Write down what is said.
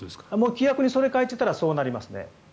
規約にそれを書いていたらそうなりますね。